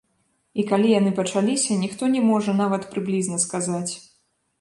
І калі яны пачаліся, ніхто не можа нават прыблізна сказаць.